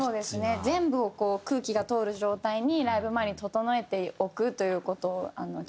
全部をこう空気が通る状態にライブ前に整えておくという事を気を付けてます。